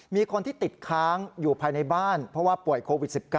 มีคนที่ติดค้างอยู่ภายในบ้านเพราะว่าป่วยโควิด๑๙